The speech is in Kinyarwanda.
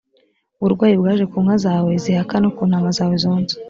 uburwayi bwaje ku nka zawe zihaka no ku ntama zawe zonsa.